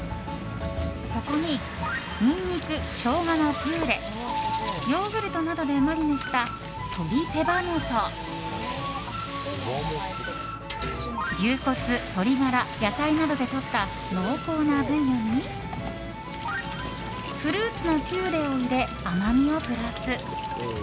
そこに、ニンニクショウガのピューレヨーグルトなどでマリネした鶏手羽元牛骨、鶏ガラ、野菜などでとった濃厚なブイヨンにフルーツのピューレを入れ甘みをプラス。